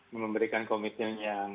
memberikan komitmen yang